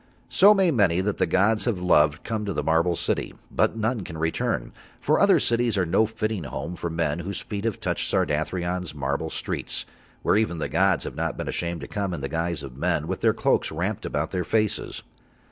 So may many that the gods have loved come to the marble city, but none can return, for other cities are no fitting home for men whose feet have touched Sardathrion's marble streets, where even the gods have not been ashamed to come in the guise of men with Their cloaks wrapped about their faces.